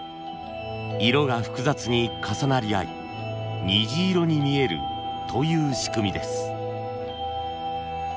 色が複雑に重なり合い虹色に見えるという仕組みです。